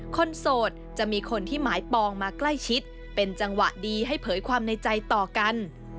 โสดจะมีคนที่หมายปองมาใกล้ชิดเป็นจังหวะดีให้เผยความในใจต่อกัน